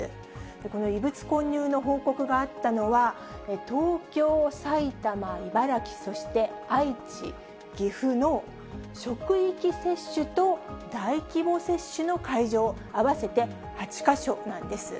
この異物混入の報告があったのは、東京、埼玉、茨城、そして愛知、岐阜の職域接種と大規模接種の会場、合わせて８か所なんです。